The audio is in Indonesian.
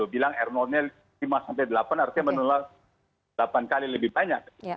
bilang r lima sampai delapan artinya menular delapan kali lebih banyak